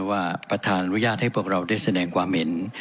ว่าประธานอนุญาตให้พวกเราได้แสดงความเห็น